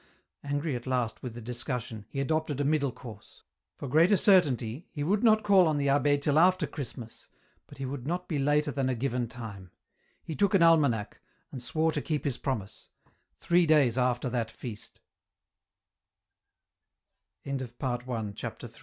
Angry at last with the discussion, he adopted a middle course. For greater certainty, he would not call on the abbd till after Christmas, but he would not be later than a given time ; he took an almanack, and swore to keep his promise — three days after that